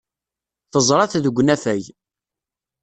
Teẓra-t deg unafag.